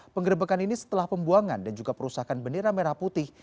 penggerbekan ini setelah pembuangan dan juga perusahaan bendera merah putih